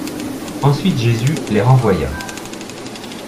Ensuite Jésus les renvoya.